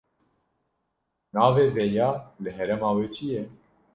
Navê vêya li herêma we çi ye?